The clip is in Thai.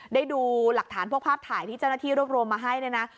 ได้ดูหลักฐานพวกภาพถ่ายที่เจ้าหน้าที่รวบรวมมาให้เนี่ยนะ